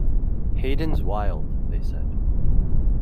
"Hayden's wild," they said.